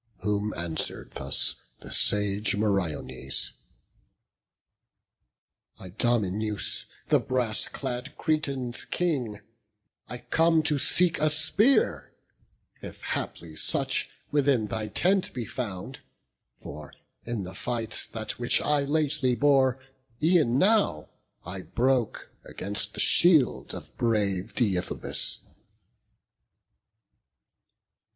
Whom answer'd thus the sage Meriones: "Idomeneus, the brass clad Cretans' King, I come to seek a spear, if haply such Within thy tent be found; for, in the fight, That which I lately bore, e'en now I broke Against the shield of brave Deiphobus."